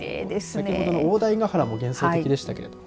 先ほどの大台ヶ原も幻想的でしたけど。